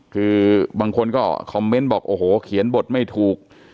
คือบางคนก็คอมเมนต์บอกโอ้โหเขียนบทไม่ถูก